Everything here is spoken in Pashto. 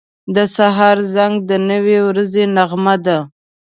• د سهار زنګ د نوې ورځې نغمه ده.